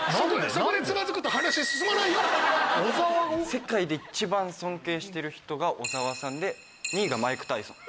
世界で一番尊敬してる人が小沢さんで２位がマイク・タイソン。